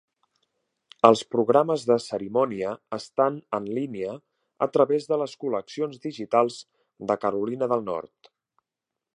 Els programes de cerimònia estan en línia a través de les col·leccions digitals de Carolina del Nord.